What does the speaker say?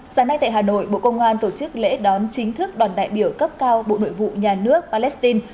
sáng nay tại hà nội bộ công an tổ chức lễ đón chính thức đoàn đại biểu cấp cao bộ nội vụ nhà nước palestine